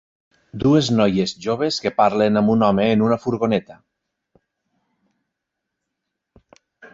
Dues noies joves que parlen amb un home en una furgoneta.